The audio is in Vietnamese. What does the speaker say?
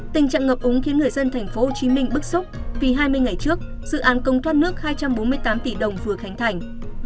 tình trạng ngập úng khiến người dân tp hcm bức xúc vì hai mươi ngày trước dự án công thoát nước hai trăm bốn mươi tám tỷ đồng vừa khánh thành